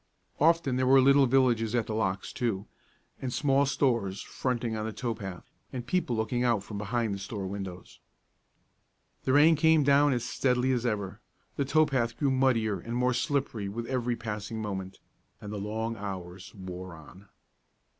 Often there were little villages at the locks, too, and small stores fronting on the tow path, and people looking out from behind the store windows. The rain came down as steadily as ever. The tow path grew muddier and more slippery with every passing moment, and the long hours wore on.